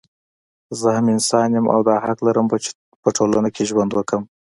زه هم انسان يم او دا حق لرم چې په ټولنه کې ژوند وکړم